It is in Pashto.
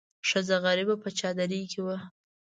ښځه غریبه په چادرۍ کې وه.